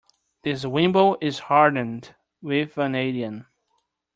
This wimble is hardened with vanadium.